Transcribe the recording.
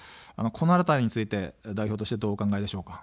このあたりについて代表としてはどうお考えでしょうか。